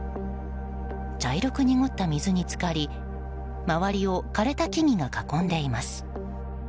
茶色く濁った水に浸かり周りを枯れた木々が囲んでいます。